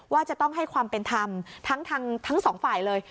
ว่าจะต้องให้ความเป็นธรรมทั้งสองฝ่ายเลย